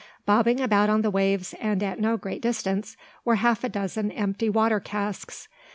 Bobbing about on the waves, and at no great distance, were half a dozen empty water casks.